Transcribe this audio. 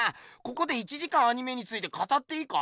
ここで１時間アニメについて語っていいか？